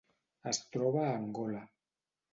Es troba a Angola.